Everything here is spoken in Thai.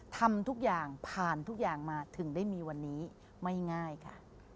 ทำทุกอย่างผ่านทุกอย่างมาถึงได้มีวันนี้ไม่ง่ายค่ะ